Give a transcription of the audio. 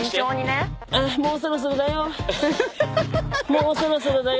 もうそろそろだよ。